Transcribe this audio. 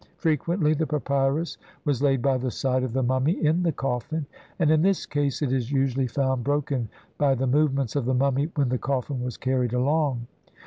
Frequently the papyrus was laid by the side of the mummy in the coffin, and in this case it is usually found broken by the movements of the mummy when the coffin was carried along.